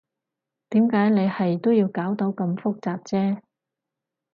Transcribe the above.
點解你係都要搞到咁複雜啫？